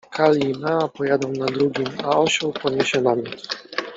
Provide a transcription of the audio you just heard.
Kali i Mea pojadą na drugim, a osioł poniesie namiot.